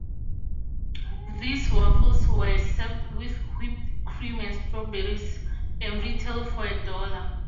These waffles were served with whipped cream and strawberries, and retailed for a dollar.